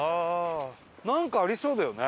なんかありそうだよね。